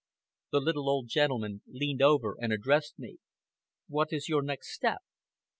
The little old gentleman leaned over and addressed me. "What is your next step?"